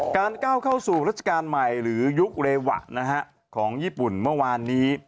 ก้าวเข้าสู่รัชกาลใหม่หรือยุคเรวะของญี่ปุ่นเมื่อวานนี้